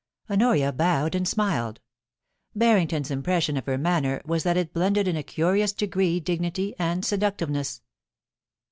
* Honoria bowed and smiled. Harrington's impression of her manner was that it blended in a curious degree dignity and seductiveness.